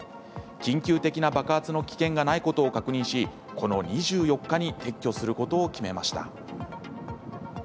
緊急的な爆発の危険がないことを確認しこの２４日に撤去することを決めました。